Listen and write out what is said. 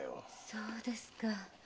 そうですか。